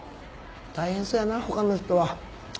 大変そやなほかの人は。